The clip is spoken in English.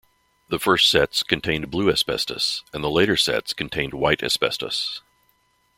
The first sets contained blue asbestos, and the later sets contained white asbestos.